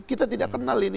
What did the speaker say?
kita tidak kenal ini